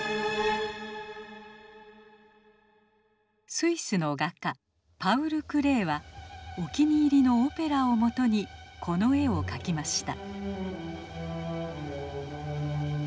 スイスの画家パウル・クレーはお気に入りのオペラをもとにこの絵を描きました。